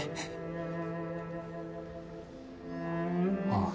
ああ。